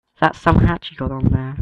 That's some hat you got on there.